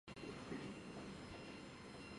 隆维人口变化图示